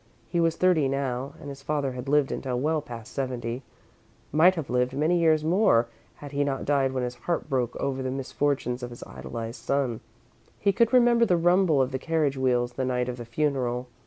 He was thirty, now, and his father had lived until well past seventy; might have lived many years more had he not died when his heart broke over the misfortunes of his idolised son. He could remember the rumble of the carriage wheels the night of the funeral.